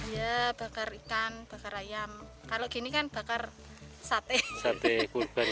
ya bakar ikan bakar ayam kalau gini kan bakar sate sate